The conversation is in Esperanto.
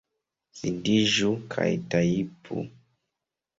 Sidiĝu kaj tajpu!